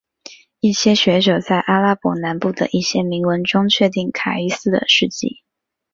一些学者在阿拉伯南部的一些铭文中确定卡伊斯的事迹。